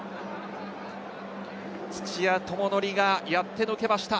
土屋智則がやってのけました。